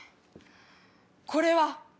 これは！